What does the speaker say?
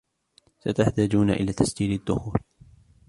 ستحتاجون الى تسجيل الدخول